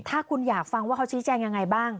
ถ้าคุณอยากฟังว่าเขาชี้แจงยังไงบ้าง